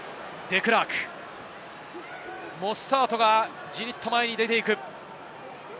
モスタートがじりっと前に出ていく。